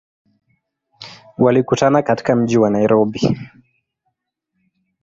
Walikutana katika mji wa Nairobi.